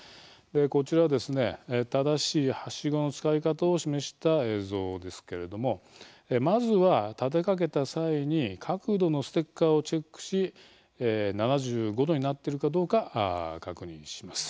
こちらは正しいはしごの使い方を示した映像ですけれどもまずは、立てかけた際に角度のステッカーをチェックし７５度になっているかどうか確認します。